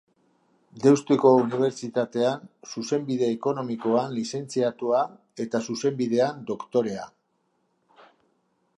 Deustuko Unibertsitatean Zuzenbide Ekonomikoan lizentziatua eta Zuzenbidean Doktorea.